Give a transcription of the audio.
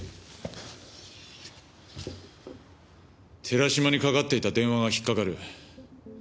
寺島にかかっていた電話が引っかかる。